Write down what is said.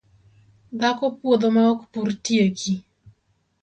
Dhako puodho maok purtieki